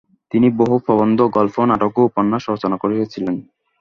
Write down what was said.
তিনি বহু প্রবন্ধ, গল্প, নাটক ও উপন্যাস রচনা করেছিলেন।